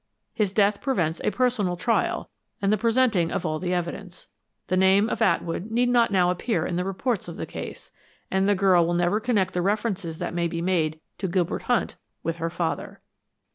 His death prevents a personal trial and the presenting of all the evidence. The name of Atwood need not now appear in the reports of the case, and the girl will never connect the references that may be made to Gilbert Hunt, with her father."